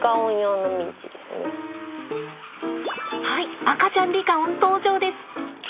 はい赤ちゃんリカオン登場です。